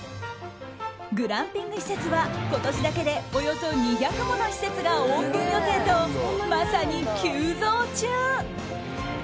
グランピング施設は、今年だけでおよそ２００もの施設がオープン予定と、まさに急増中。